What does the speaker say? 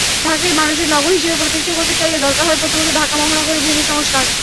ঢাকাকে মানুষের নগর হিসেবে প্রতিষ্ঠা করতে চাইলে দরকার হবে, প্রথমত, ঢাকা মহানগরের ভূমি সংস্কার।